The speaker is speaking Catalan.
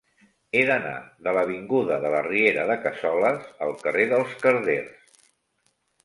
He d'anar de l'avinguda de la Riera de Cassoles al carrer dels Carders.